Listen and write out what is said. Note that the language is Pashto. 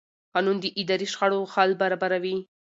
قانون د اداري شخړو حل برابروي.